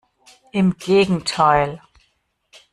Im Gegenteil!